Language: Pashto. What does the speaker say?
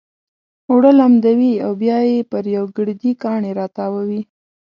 اوړه لمدوي او بيا يې پر يو ګردي کاڼي را تاووي.